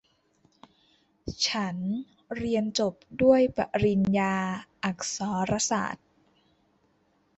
ฉันเรียนจบด้วยปริญญาอักษรศาสตร์